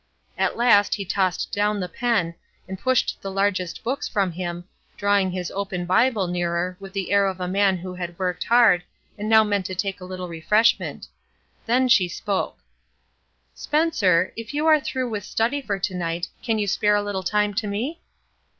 At last he tossed down the pen and pushed the largest books from him, drawing his open Bible nearer with the air of a man who had worked hard and now meant to take a little refreshment; then she spoke: — "Spencer, if you are through with study for to night, can you spare a little time to me?